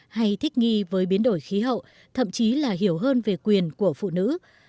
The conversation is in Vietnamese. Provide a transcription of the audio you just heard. hay thích nghi với biến đổi khí hậu thậm chí là hiểu hơn về quyền của phụ nữ